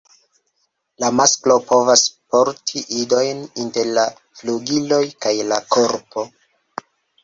La masklo povas porti idojn inter la flugiloj kaj la korpo.